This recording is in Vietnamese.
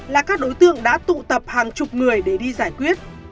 là các đối tượng đã tụ tập hàng chục người để đi giải quyết